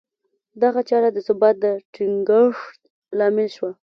دغه چاره د ثبات د ټینګښت لامل شوه